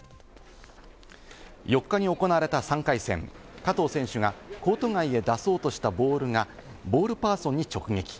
４日に行われた３回戦、加藤選手がコート外へ出そうとしたボールがボールパーソンに直撃。